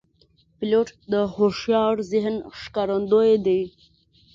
پیلوټ د هوښیار ذهن ښکارندوی دی.